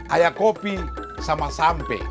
ayah kopi sama sampe